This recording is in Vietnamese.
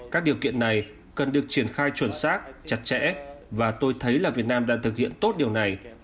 các điều kiện này cần được triển khai chuẩn xác chặt chẽ và tôi thấy là việt nam đã thực hiện tốt điều này